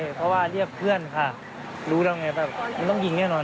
เพราะว่าเรียกเพื่อนค่ะรู้แล้วไงแบบมันต้องยิงแน่นอน